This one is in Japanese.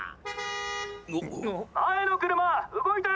・前の車動いて！